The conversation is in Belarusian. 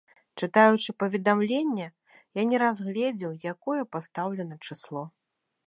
Чытаючы паведамленне, я не разгледзеў, якое пастаўлена чысло.